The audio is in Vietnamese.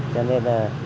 cho nên là